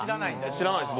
知らないです